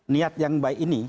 niat yang baik ini